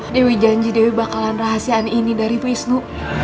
dewi janji dewi bakalan rahasia ini dari wisnu